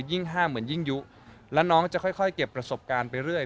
ยิ่งห้ามเหมือนยิ่งยุแล้วน้องจะค่อยเก็บประสบการณ์ไปเรื่อย